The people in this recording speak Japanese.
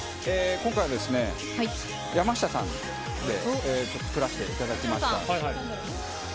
今回は、山下さんで作らせていただきました。